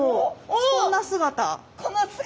こんな姿。